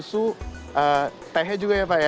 susu teh juga ya pak ya